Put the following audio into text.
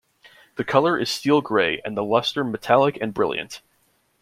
The color is steel-gray, and the luster metallic and brilliant.